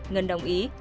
ngân đồng ý